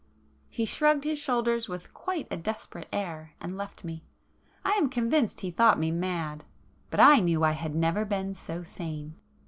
He shrugged his shoulders with quite a desperate air, and left me. I am convinced he thought me mad,—but I knew I had never been so sane.